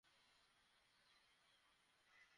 আমাদের ও এভাবে মিলে যাওয়া দরকার।